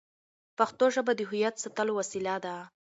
پښتو ژبه د هویت ساتلو وسیله ده.